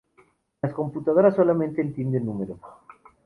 Las computadoras solamente entienden números.